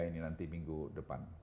ini nanti minggu depan